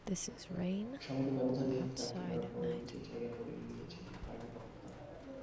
সামান্য ব্যবধানে ক্যাটরিনার পরে নিজের জায়গা করে নিয়েছেন কারিনা কাপুর খান।